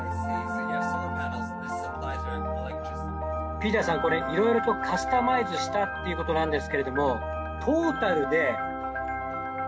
ピーターさんこれいろいろとカスタマイズしたっていう事なんですけれどもトータルでいくらぐらい。